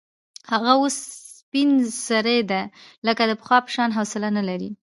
هغه اوس سپین سرې ده، لکه د پخوا په شان حوصله نه لري.